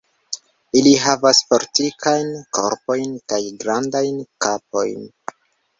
Ili havas fortikajn korpojn kaj grandajn kapojn.